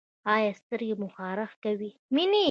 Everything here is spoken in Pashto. ایا سترګې مو خارښ کوي؟